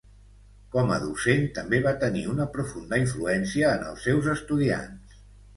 Com a docent també va tenir una profunda influència en els seus estudiants.